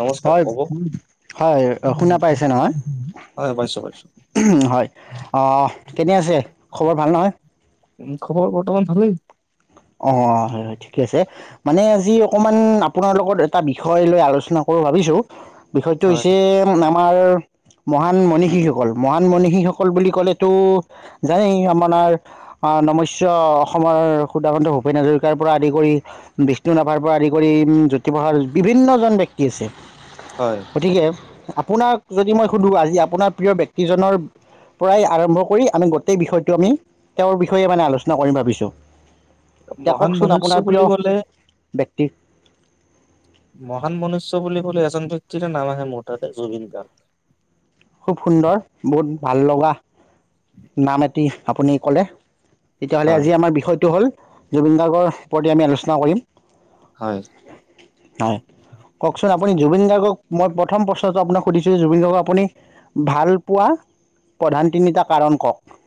নমস্কাৰ হয়, ক'ব হয়, শুনা পাইছে নহয়? হয় পাইছো পাইছো হয়, অহ, কেনে আছে? খবৰ ভাল নহয়? উম, খবৰ বৰ্তমান ভালেই। অ', হয় হয়। ঠিকে আছে। মানে আজি অকমান আপোনাৰ লগত এটা বিষয় লৈ আলোচনা কৰো ভাবিছো বিষয়টো হয় হৈছে, ন আমাৰ মহান মনীষীসকল, মহান মনীষীসকল বুলি ক'লেতো জানেই, আপোনাৰ নমস্য অসমৰ সুদন্ত ভূপেন হাজৰিকাৰ পৰা আদি কৰি বিষ্ণু ৰাভাৰ পৰা আদি কৰি জ্যোতিপ্ৰসাৰ বিভিন্নজন ব্যক্তি আছে। হয় গতিকে আপোনাক যদি মই শুধু, আজি আপোনাৰ প্ৰিয় ব্যক্তিজনৰ পৰাই আৰম্ভ কৰি আমি গোটেই বিষয়টো আমি তেওঁৰ বিষয়ে মানে আলোচনা কৰিম ভাবিছোঁ। এতিয়া মহান কওকচোন মনুষ্য আপোনাৰ প্ৰিয় বুলি ক'লে ব্য কি মহান মনুষ্য বুলি ক'লে এজন ব্যক্তিৰ নাম আহে মোৰ তাত, জুবিন গাৰ্গ। খুব সুন্দৰ, বহুত ভাল লগা নাম এট টি আপুনি ক'লে। তেতিয়াহ'লে হয় আজি আমাৰ বিষয়টো হ'ল জুবিন গাৰ্গৰ প্ৰতি আমি আলোচনা কৰিম। হয় হয়, কওঁকচোন আপুনি জুবিন গাৰ্গক, মই প্ৰথম প্ৰশ্নটো আপোনাক সুধিছো জুবিন গাৰ্গক আপুনি ভাল পোৱা প্ৰধান তিনিটা কাৰণ কওঁক।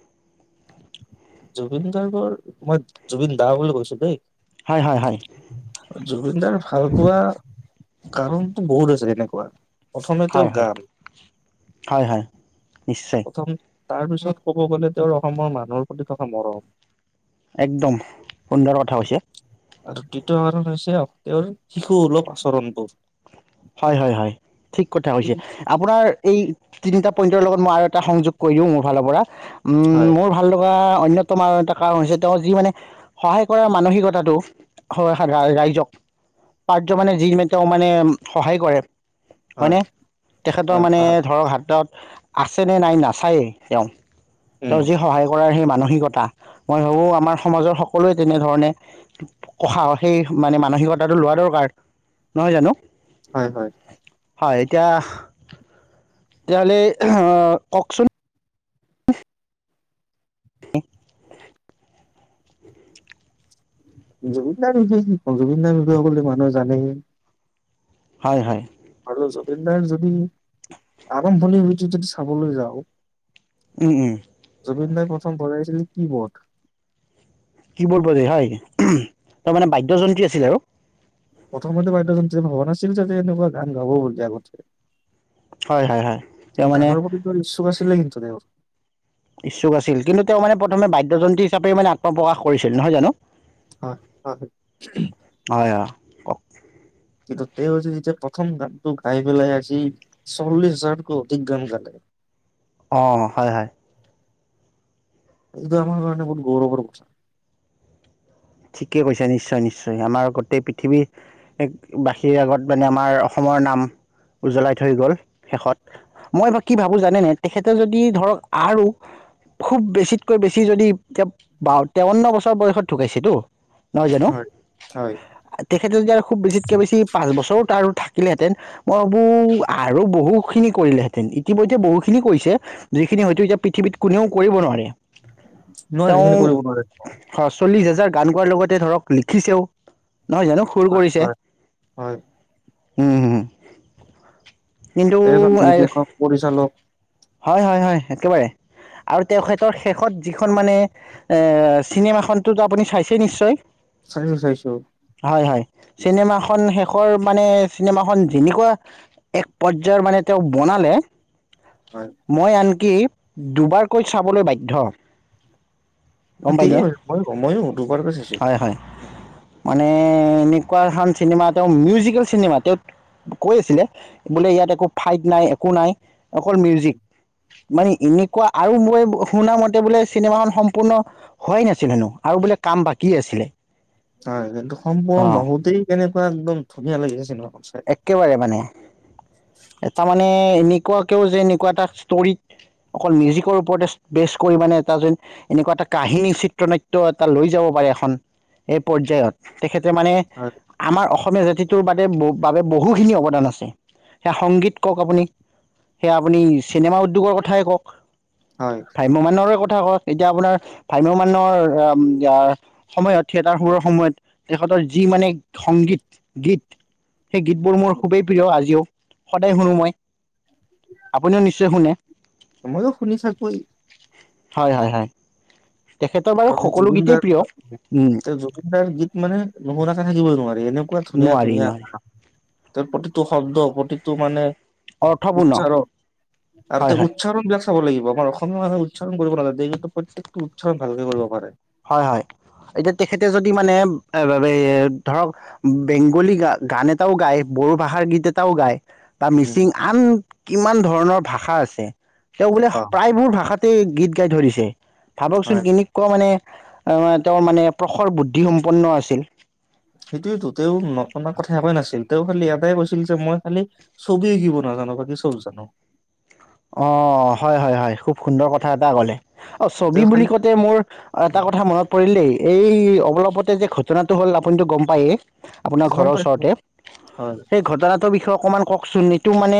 জুবিন গাৰ্গৰ, মই জুবিন দা বুলি কৈছো দেই। হয় হয় হয় জুবিনদাৰ ভাল পোৱা কাৰণটো বহুত আছে এনে। কোৱা। প্ৰথমে তেওঁৰ হয় হয় গান হয় হয় নিশ্চয় প্ৰথম তাৰ পিছত ক'ব গ'লে তেওঁৰ অসমৰ মানুহৰ প্ৰতি থকা মৰম। একদম, সুন্দৰ কথা কৈছে। আৰু দ্বিতীয় কাৰণ হৈছে তেওঁৰ শিশু সুলভ আচৰণবোৰ। হয়, হয়, হয়, ঠিক কথা কৈছে, আপোনাৰ এই তিনিটা পইণ্টৰ লগত মই আৰু এটা সংযোগ কৰি দিওঁ মোৰ ফালৰ পৰা। উম, হয় মোৰ ভাল লগা অন্যতম আৰু এটা কাৰণ হৈছে, তেওঁ যি মানে সহায় কৰাৰ মানসিকতাটো হয় ৰাইজক পাৰ্য মানে যি তেওঁ মানে সহায় কৰে হয় হয়নে? তেখেতৰ হয় মানে হয় হয় ধৰক হাতত আছেনে নাই নাচায়েই তেওঁ। উম তেওঁ যি সহায় কৰাৰ সেই মান মানসিকতা, মই ভাবো আমাৰ সমাজৰ সকলোৱে তেনেধৰণে কসাহ সেই মানে মানসিকতাটো লোৱা দৰকাৰ, নহয় জানো? হয় হয় হয় এতিয়া, তেতিয়াহ'লে কওকচোন [inaudible] জুবিনদাৰ বিষয়ে কি কম জুবিনদাৰ বিষয়ে সকলো মানুহ জানেই। হয় হয়। আৰু জুবিনদাৰ যদি আৰম্ভণিৰ যদি চাবলৈ যাওঁ উম উম। জুবিন দাই প্ৰথম বজাইছিল কি বোৰ্ড। কিবৰ্ড বজয় হয় তাৰ মানে বাদ্যযন্ত্ৰী আছিল আৰু। প্ৰথমতে বাইদেউজন ভবা নাছিল যো এনেকুৱা গান গাব বুলি আগতে। হয় হয় হয় এয়া কিন্তু মানে গানৰ প্ৰতি [unintelligible] ইচ্ছুক আছিল কিন্তু তেওঁ মানে প্ৰথমে বাদ্যযন্তী হিচাপে মানে আত্মপ্ৰকাশ কৰিছিল নহয় জানো। হয় হয়। [unintelligible] কিন্তু তেওঁ যে যেতিয়া প্ৰথম গানটো গাই পেলাই আজি চল্লিশ হাজাৰতকৈ অধিক গান গালে। অঁ হয় হয়। এইটো আমাৰ কাৰণে বহুত গৌৰৱৰ কথা। ঠিকে কৈছো নিশ্চয় নিশ্চয় আমাৰ গোটেই পৃথিৱীৰ এক বাসীৰ আগত মানে আমাৰ অসমৰ নাম উজ্বলাই থৈ গল শেষত মই বা কি ভাবো জানেনেে তেখেতে যদি ধৰক আৰু খুব বেছিতকৈ বেছি যদি এতি তেৱন্ন বছৰ বয়সত ঢুকাইছেতো নহয় জানো হয় হয় তেখেত যদি আৰু খুব বেছিত কে বেছি পাঁচ বছৰো তাৰ থাকিলেহেঁতেন মই ভাবো আৰু বহুখিনি কৰিলেহেঁতেন ইতিমধ্যে বহুখিনি কৰিছে যিখিনি হয়তো এতিয়া পৃথিৱীত কোনেও কৰিব নোৱাৰে। নোৱাৰে সেইখিনি তেওঁ কৰিব নোৱাৰে অ চল্লিশ হাজাৰ গান গোৱাৰ লগতে ধৰক লিখিছেও। নহয় জানো সুৰ হয় কৰিছে। হয় হয় উম। কিন্তু তজন নিৰ্দেশক পৰিচালক হয় হয় হয় একেবাৰে আৰু তেখেতৰ শেষত যিখন মানে এ চিনেমা খনতো আপুনি চাইছে চে নিশ্চয় চাইিছো চাইিছো। হয় হয় চিনেমাখন শেষৰ মানে চিনেমাখন যেনেকুৱা এক পৰ্যায়ৰ মানে তেওঁ বনালে হয় মই আনকি দুবাৰকৈ চাবলৈ বাধ্য। গম তে পাইনে [unintelligible] মইও। দোবাৰ কৈ চাষে। হয় হয় মানে এনেকুৱাখন চিনেমা তেওঁ মিউজিকেল চিনেমা তেওঁ কৈ আছিলে বোলে ইয়াত একো ফাইট নাই একো নাই অকল মিউজিক মানে এনেকুৱা আৰু মই শুনা মতে বোলে চিনেমাখন সম্পূৰ্ণ হোৱাই নাছিল হেনো আৰু বোলে কাম বাকী আছিলে। হয় কিন্তু সম্পূৰ্ণ অঁ নহওতে তেনে একদম ধুনীয়া লাগিছে নহয়। একেবাৰে মানে তাৰ মানে এনেকুৱা কেউ যে এনেকুৱা এটা ষ্ট'ৰী অকল মিউজিকৰ ওপৰতে বেষ্ট কৰি মানে এটা যেন এনেকুৱা এটা কাহিনী চিত্ৰনাট্য এটা লৈ যাব পাৰে এখন এই পয্যায়ত। তেখেত মানে হয় আমাৰ অসমীয়া জাতিটো বাত বুক [inaudible] বাবে বহুখিনি অৱদান আছে। সেয়া সংগীত কওক আপুনি, সেয়া আপুনি চিনেমা উদ্যোগৰ কথাই কওঁক হয় ভাম্যমানৰে ক কথা কওঁক এতিয়া আপোনাৰ ভাম্যমানৰ অ' আ সময়ত থিয়েটাৰ সূৰৰ সময়ত তেখেতৰ যি মানে সংগীত গীত সেই গীতবোৰ মোৰ খুবেই প্ৰিয় আজিও। সদায় শুনো মই। আপুনিও নিশ্চয় শুনে? মইও শুনি থাকো। হয়- হয় -হয়। তেখেতৰ বাৰু কাৰণ সকলো গীতেই প্ৰিয় উম জুবিনদাৰ জুবিনদাৰ গীত মানে নশুনা থাকিব নোৱাৰি। এনেকুৱা ধুনীয়া, নোৱাৰি ধুনীয়া নোৱাৰি ক ত প্ৰতিটো শব্দ, প্ৰতিটো মানে অৰ্থপূৰ্ণ উচ্চাৰণ, আৰু হয় তেওঁ হয় উচ্চাৰণ ব্য চাব লাগিব। আমাৰ অসমীয়া মানুহ উচ্চণ কৰিব নাজানে, এইটো প্ৰত্যকটো উচ্চাৰণ ভালকে কৰিব পাৰে। হয়, হয়। এতিয়া তেখেতে যদি মানে এ ধৰক বেংগলী গান এটাও গায় বড়ো ভাষাৰ গীত এটাও গায় তাৰ উম মিচিং আন কিমান ধৰণৰ ভাষা আছে। তেওঁ বোলে অ প্ৰায়বোৰ ভাষাত তে গীত গাই থৈ দিছে। ভাবকচোন হয় কেনকোৱা মানে এ তেওঁ মানে প্ৰখৰ বুদ্ধি সম্পন্ন আছিল। সেইটোৱেতো, তেওঁ নকনা কথা একোৱেই নাছিল। তেওঁ খালি এটাই কৈছিল যে মই খালি ছবি আঁকিব নাজানো বাকি চব জানো। অঁ। হয়, হয়, হয়। খুব সুন্দৰ কথা এটা ক'লে। অ', ছবি তেওঁ বুলি খালি কওঁতে মোৰ এটা কথা মনত পৰিল দেই। এই অৱলপতে যে ঘটনাটো হ'ল আপুনিটো গম পায়েই। আপোনাৰ ঘৰৰ গম পাইছো ওচৰতে, হয় সেই ঘটনাটোৰ বিষয়ে অকমান কওকচোন। এইটো মানে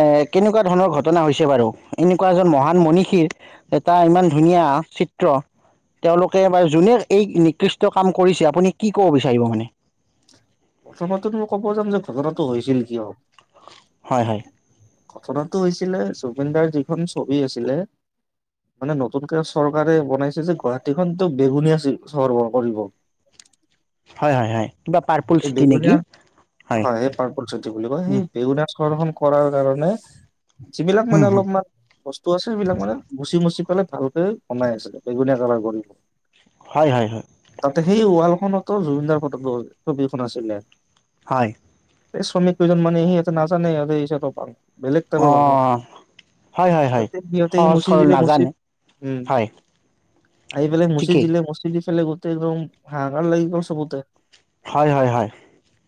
এ কেনেকুৱা ধৰণৰ ঘট ঘটনা হৈছে বাৰু এনেকুৱা এজন মহান মনীষীৰ এটা ইমান ধুনীয়া চিত্ৰ তেওঁলোকে বাৰু যোনে এই নিকৃষ্ট কাম কৰিছে আপুনি কি ক'ব বিচাৰিব মানে। প্ৰথমতে মই ক'ব যাম যে ঘটনাটো হৈছিল কিয়। হয়-হয়। ঘটনাটো হৈছিলে জুবিনদাৰ যিখন ছবি আছিলে মানে নতুনকে চৰকাৰে বনাইছে যে গুৱাহাটীখন তেওঁ বেগুনীয়া চহৰ কৰিব। হায়-হায়। এই বেগুনীয়া হয় সেই পাৰপুল চিটি বুলি কয়। সেই বেগুনা ঘৰখন কৰাৰ কাৰণে। যিবিলাক মানে হয় অলপমান বস্তু আছে সবিলাক মানে গুচি মুচি ফাল ভালকে বনাই আছিলে বেঙুনীয়া কালাৰ কৰিব। হয় হয় হয় তাতে সেই ওৱাল খনতো জুবিনদাৰ ফটো [unintelligible] ছবিখন আছিলে। হয়। এই শ্ৰমিক কেইজন মানে সিহঁতে নাজানে [unintelligible] বেলেগ টাইপৰ মানুহ অ' হয় হয় হয় সিহতে - সিহতে আহি সহজ মোচি সৰল দিলে মোচি নাজানে উম, হয় আহি পেলে মোচি ঠিকেই দিলে মোচি দি [unintelligible] গোটেইদম হাহাকাৰ লাগিব চবতে। হয়- হয়- হয়।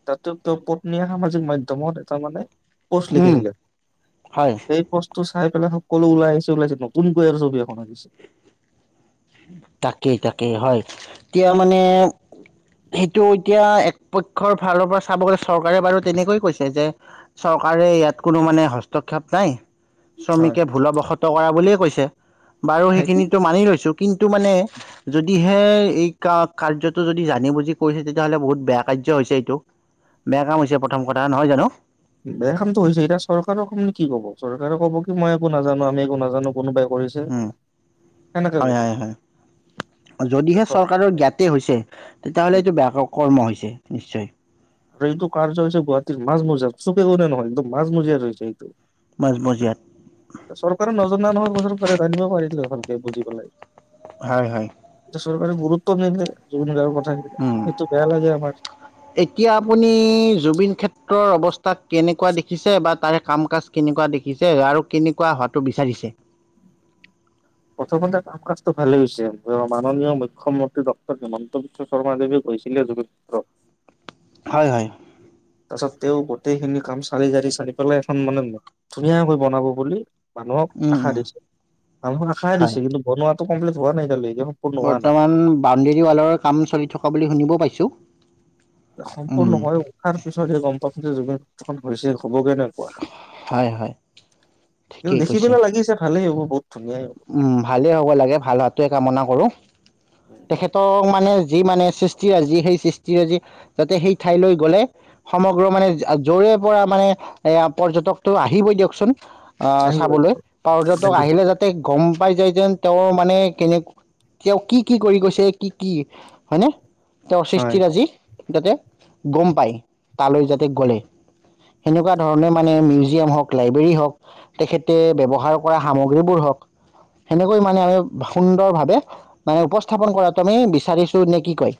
তাতো তেওঁ পত্নীয়ে সামাজিক মাধ্যমত এটা মানে পোষ্ট উম লিখিছিলে হয় সেই পষ্টটো চাই পেলাই সকলো ওলাই আহিছে ওলাইছে নতুনকৈ আৰু ছবি এখন আনিছে। তাকেই-তাকেই হয় এতিয়া মানে সেইটো এতিয়া একপক্ষৰ ফালৰ পৰা চাব গলে চৰকাৰে বাৰু তেনেকৈয়ে কৈছে যে চৰকাৰে ইয়াত কোনো মানে হস্তক্ষেপ নাই। হয়। শ্ৰমিকে ভুলবসত কৰা বুলিয়েই কৈছে। বাৰু সেইটো সেইখিনিটো মানি লৈছো কিন্তু মানে যদি হে, এই কা কাৰ্যতো যদি জানে নি বুজি কৰিছে তেতিয়াহলে বহুত বেয়া কাৰ্য্য হৈছে এইটো। বেয়া কাম হৈছে প্ৰথম কথা নহয় জানো। বেয়া কামটো হৈছে এতিয়া চৰকাৰৰ কোনে কি কব চৰকাৰে ক'ব কি মই একো নাজানো আমি একো নাজানো কোনোবাই কৰিছে উম, সেনেকে হয় - ক'ব। হয় - হয় যদিহে চৰকাৰৰ জ্ঞাতে হৈছে তেতিয়াহ'লে উম, এইটো বেয়া কৰ্ম হৈছে। নিশ্চয়। আৰু এইটো কাৰ্য হৈছে গুৱাহাটীৰ মাজ মজিয়াৰ চুকে কোনে নহয় মাজ মজিয়াত হৈছে এইটো। মাজমজিয়াত চৰকাৰ নজৰ নাই নহয় [unintelligible] চৰকাৰে জানিব পাৰিলে। ভালকে বুজি পালে। হয় - হয়। চৰকাৰে গুৰুত্ব নিদিলে জুবিন দাৰ উম সেইটো বেয়া লাগে আমাৰ। এতিয়া আপুনি জুবিন ক্ষেত্ৰত। ৰ অৱস্থা তাক কেনেকুৱা দেখিছে বা তাৰে কাম কাজ কেনেকুৱা দেখিছে আৰু কেনেকুৱা হোৱাটো বিচাৰিছে। প্ৰথমতে কাম কাজটো ভালেই হৈছে মাননীয় মুখ্যমন্ত্ৰী ডক্টৰ হিমন্ত বিশ্ব শৰ্মা দেৱে কৈছিলে যোগী পুত্ৰ হয় হয়। তাৰ পিছত তেওঁ গোটেইখিনি কাম চালি জাৰি চালি পেলাই এখন মানে ধুনীয়াকৈ বনাব বুলি মানুহক উম আশা উম দিছে, মানুহক আশাই হয় দিছে কিন্তু বনোৱা টো কমপ্লিট হোৱা নাই এতিয়ালৈ। বৰ্তমান বাউণ্ডেৰী ৱালৰ কাম চলি থকা বুলি শুনিব পাইছো। সম্পূৰ্ণ হৈ উঠাৰ পিছতহে গম পাম যে জুবিন [unintelligible] হৈছে হ'ব কেনেকুৱা, হয় হয় কিন্তু ঠিকেই দেখি কৈছে পেলে লাগিছে ভালেই হ'ব। বহুত ধুনীয়াই হ'ব উম ভালেই হ'ব লাগে, ভাল হোৱাটোৱে কামনা কৰো। তেখেতক মানে যি মানে সৃষ্টিৰাজি, যি সেই সৃষ্টিৰাজি যাতে সেই ঠাইলৈ গ'লে সমগ্ৰ মানে য'ৰে পৰা মানে এ পৰ্যটকটো আহিবই দিয়কচোন। আহ আহিব চাবলৈ। পৰ্যটক আহিব আহিলে যাতে গম পাই যায় যেন তেওঁৰ মানে কেনেক তেওঁ কি কি কৰি গৈছে কি কি হয়নে? তেওঁৰ হয় সৃষ্টিৰাজি। তাতে গম পাই, তালৈ যাতে গলে। সেনেকুৱা ধৰণে মানে, মিউজিয়াম হওঁক, লাইব্ৰেৰী হওঁক, তেখেতে ব্যবহাৰ কৰা সামগ্ৰীবোৰ হওঁক সেনেকৈ মানে আমি সুন্দৰ ভাৱে মানে উপস্থাপন কৰাতো আমি বিচাৰিছো, নে কি কয়?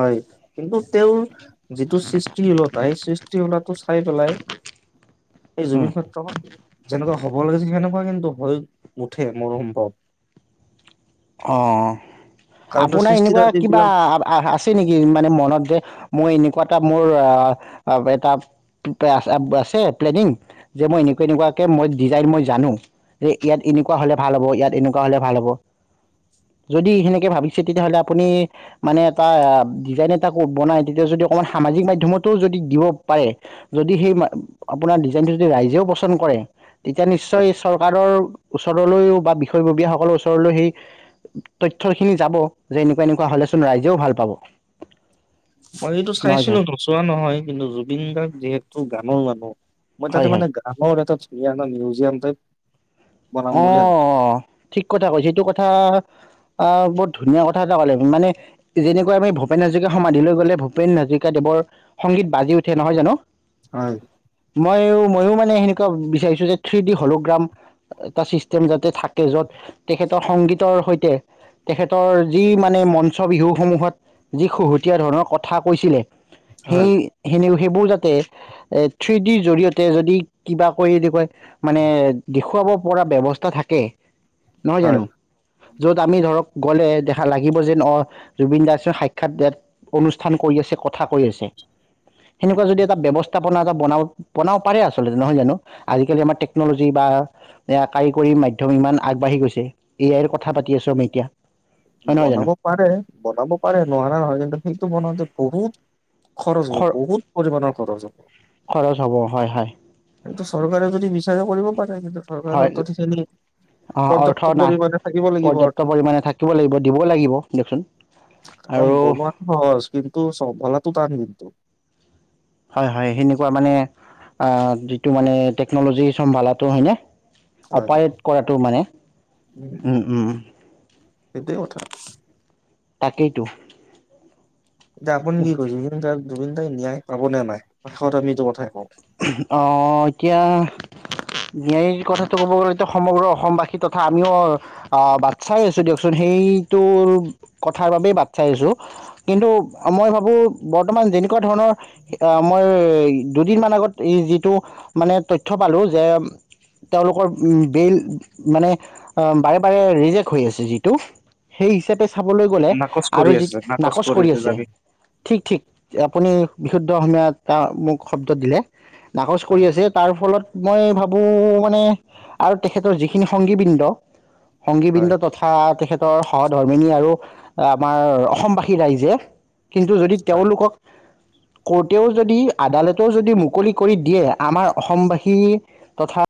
হয়। কিন্তু তেওঁৰ যিটো সৃষ্টিশীলতা, সেই সৃষ্টিশীলাটো চাই পেলাই এই জুবিন ক্ষেত্ৰখন যেনেকুৱা হ'ব লাগিছিল, সেন সেনেকুৱা কিন্তু হৈ উঠে মোৰ সম্ভৱ অঁ, কাৰণ আপোনাৰ সৃষ্টি এনেকুৱা কিবা বিলাক আছে নেকি মানে মনত [unintelligible] মই এনেকুৱা এটা মোৰ আ এটা আছে আছে প্লেনিং, যে মই এনেকুৱা এনেকুৱাকে মই ডিজাইন মই জানো। যে, ইয়াত এনেকুৱা হ'লে ভাল হ'ব। ইয়াত এনেকুৱা হ'লে ভাল হ'ব। যদি সেনেকে ভাবিছে তেতিয়াহলে আপুনি মানে, এটা ডিজাইন এটা বনাই তেতিয়া যদি অকমান সামাজিক মাধ্যমটো যদি দিব পাৰে। যদি সেই, আপোনাৰ ডিজাইনটো যদি ৰাইজেও পচন্দ কৰে, তেতিয়া হয় নিশ্চয় চৰকাৰৰ ওচৰলৈ বা বিষয়ববীয়াসকলৰ ওচৰলৈ সেই তথ্য খিনি যাব যে এনেকুৱা এনেকুৱা হলেচোন ৰাইজেও ভাল পাব। মই এইটো নহয় চাইছিলো, জানো নচোৱা নহয়। কিন্তু জুবিন গাৰ্গ যিহেতু গানৰ মানুহ মই তাতে হয় হয় মানে গানৰ এটাত [unintelligible] না মিউজিয়াম টাইপ বনাম বুলি ভাবিছো অঁ, ঠিক কথা কৈছে, সেইটো কথা অহ, বহুত ধুনীয়া কথা এটা ক'লে মানে, যেনেকোৱা আমি ভূপেন হাজৰিকা সমাধি লৈ গলে ভূপেন হাজৰিকা দেৱৰ সংগীত বাজি উঠে নহয় জানো। হয়। মই মইও মানে সেনেকোৱা বিচাৰিছো যে থ্ৰী ডি হলোগ্ৰাম এটা চিষ্টেম যাতে থাকে য'ত তেখেতৰ সংগীতৰ সৈত তেখেতৰ যি মানে মঞ্চ বিহুসমূহত যি শুহুতীয়া ধৰণৰ কথা কৈছিলে। সেই হয় সেনে সেইবোৰ যাতে থ্ৰি ডি জৰিয়তে যদি কিবা কৰি দেখুৱাই মানে দেখুৱাব পৰা ব্যৱস্থা থাকে। নহয় জানো। হয় য'ত আমি ধৰক গ'লে দেখা লাগিব যে ন জুবিন দাসৰ সাক্ষাৎ দিয়াত অনুষ্ঠান কৰি আছে কথা কৈ আছে, সেনেকুৱা যদি এটা ব্ৱস্থাপনা এটা বনা বনাব পাৰে আচলতে নহয় জানো আজিকালি আমাৰ টেকনলজি বা কাৰিকৰী মাধ্যম ইমান আগবাঢ়ি গৈছে, এ আই ৰ কথা পাতি আছো আমি এতিয়া। হয় নহয় জানো বনাব পাৰে বনাব পাৰে নোৱাৰা নহয় কিন্তু সেইটো বনাওঁতে বহুত খৰচ হব খৰ বহুত পৰিমাণৰ কৰা যাব। খৰচ হ'ব হয় হয়। এইটো চৰকাৰে যদি বিচাৰে কৰিব পাৰে। কিন্তু চৰকাৰৰ হয় [unintelligible] খিনি অ' অৰ্থ পৰ্যাপ্ত নাই পৰিমাণে থাকিব লাগিব পৰ্যাপ্ত অৰ্থ। পৰিমাণে থাকিব লাগিব দিব লাগিব দিয়কচোন আৰু কাৰণ বনোৱাটো সহজ কিন্তু চম্ভালা তুতান কিন্তু। হয় হয় সেনেকুৱা মানে যিটো মানে টেকনলজি চম্ভালাটো হয়নে। হয় অপাৰেট কৰাটো মানে উম উম। সেইটোৱে কথা তাকেইটো। এতিয়া আপুনি কি কৰিছে সেইখিনি তাত জুবিন দাই ন্যায় পাব নে নাই শেষত আমি এইটো কথাই কওঁ। অ' এতিয়া ন্যায়িক কথাটো ক'ব গ'লে সমগ্ৰ অসমবাসী তথা আমিও বাট চাই আছোঁ দিয়কচোন সেইটোৰ কথাৰ বাবেই বাট চাই আছোঁ, কিন্তু মই ভাবোঁ বৰ্তমান যেনেকুৱা ধৰণৰ আমাৰ দুদিনমান আগত এই যিটো মানে তথ্য পালো যে তেওঁলোকৰ বিল মানে বাৰে বাৰে ৰিজেক হৈ আছে যিটো সেই হিচাপে চাবলৈ গ'লে নাকচ আৰু কৰি যি আছে নাকচ কৰি আছে জানি ঠিক ঠিক। আপুনি বিশুদ্ধ অসমীয়া এটা মোক শব্দ দিলে। নাকচ কৰি হয় আছে তাৰ ফলত মই ভাবো মানে আৰু তেখেতৰ যিখিনি সংগীবৃন্দ হয় সংগীবিৃন্দ তথা তেখেত সহধৰ্মিনী আৰু আমাৰ অসমবাসী ৰাইজে কিন্তু যদি হয় তেওঁলোকক কৰ্টেও যদি আদালতেও যদি মু কলি কৰি দিয়ে আমাৰ অসমবাসী তথা